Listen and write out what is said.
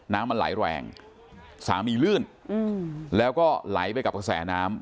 น้ำมันไหลแรงสามีลื่นแล้วก็ไหลไปกับกระแสน้ำ